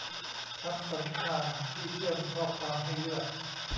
คำสันธานที่เชื่อมข้อความให้เลือก